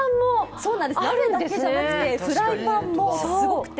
そうなんです、鍋だけじゃなくてフライパンもすごくて。